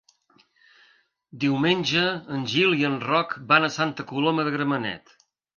Diumenge en Gil i en Roc van a Santa Coloma de Gramenet.